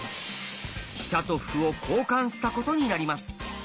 飛車と歩を交換したことになります。